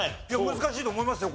難しいと思いますよ